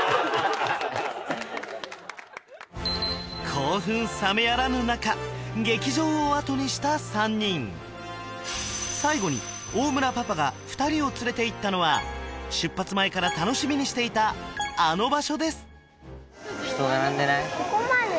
興奮冷めやらぬ中劇場をあとにした３人最後に大村パパが二人を連れていったのは出発前から楽しみにしていたあの場所です人並んでない？